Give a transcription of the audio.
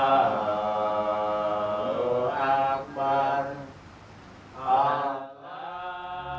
allah allah allah